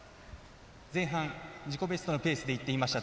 前半、自己ベストのペースでいっていました。